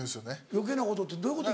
余計なことってどういうこと。